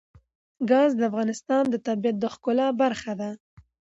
ګاز د افغانستان د طبیعت د ښکلا برخه ده.